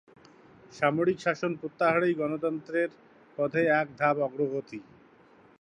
সামরিক শাসন প্রত্যাহারই গণতন্ত্রের পথে এক ধাপ অগ্রগতি।